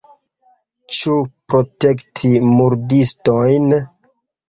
Ĉu protekti murdistojn?